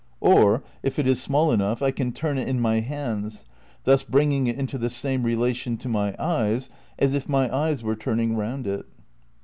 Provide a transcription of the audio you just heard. Or, if it is small enough, I can turn it in my hands, thus bringing it into the same relation to my eyes as if my eyes were turning round it.